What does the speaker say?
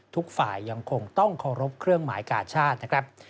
ทุกฝ่ายยังคงต้องเคารพเครื่องหมายกาชาตินะครับ